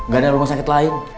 gak ada rumah sakit lain